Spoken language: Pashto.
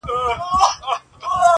o گوره زما گراني زما د ژوند شاعري.